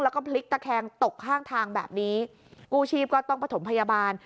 แล้วก็พลิกตะแคงตกข้างทางแบบนี้กู้ชีพก็ต้องประถมพยาบาล